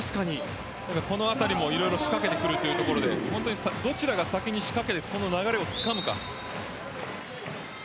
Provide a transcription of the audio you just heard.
このあたりもいろいろ仕掛けてくるというところでどちらが先に仕掛けてその流れをつかむか。